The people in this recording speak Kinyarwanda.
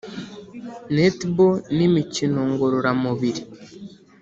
Netball n’imikino ngororamubiri